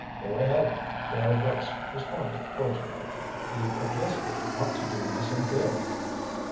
"Go ahead," Bailey Brooks responded cordially. "The publicity ought to do me some good."